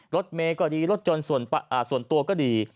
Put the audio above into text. รถเมย์ก็ดีรถยนต์ส่วนตัวก็ดี